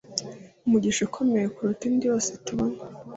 Umugisha ukomeye kuruta indi yose tubona